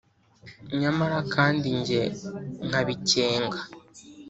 nyamara kandi jye nkabikenga